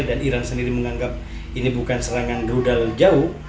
dan iran sendiri menganggap ini bukan serangan rudal jauh